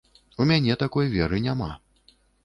У мяне такой веры няма.